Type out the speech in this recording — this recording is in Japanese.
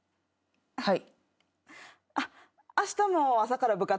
はい。